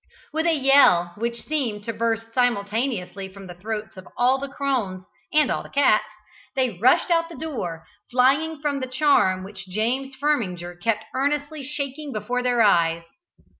With a yell, which seemed to burst simultaneously from the throats of all the crones and all the cats, they rushed out at the door; flying from the charm which James Firminger kept earnestly shaking before their eyes.